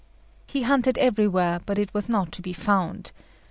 He hunted everywhere, but it was not to be found.